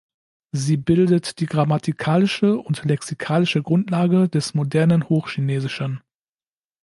Sie bildet die grammatikalische und lexikalische Grundlage des modernen Hochchinesischen.